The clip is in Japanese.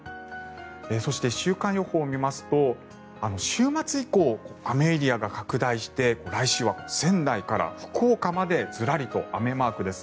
そして週間予報を見ますと週末以降、雨エリアが拡大して、来週は仙台から福岡までズラリと雨マークです。